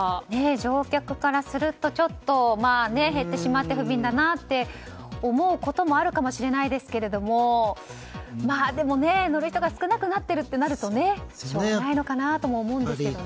乗客からするとちょっと減ってしまって不便だなって思うことがあるかもしれませんがでも、乗る人が少なくなっているとなるとしょうがないのかなとも思うんですけど。